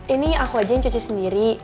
ini aku aja yang cuci sendiri